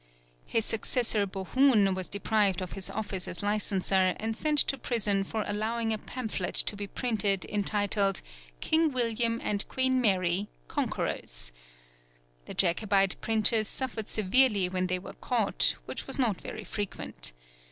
His successor Bohun was deprived of his orffice as licenser and sent to prison for allowing a pamphlet to be printed entitled King William and Queen Mary, Conquerors. The Jacobite printers suffered severely when they were caught, which was not very frequent.